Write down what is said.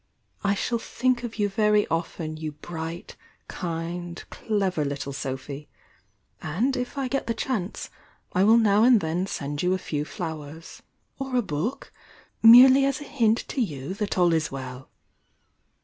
I shall think of you very often, you bright, kind, clev er little Sophy!— and if I get the chance, I will now and then send you a few flowers, — or a book, — mere ly as a hint to you that all is well.